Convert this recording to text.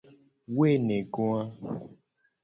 Woenegoa.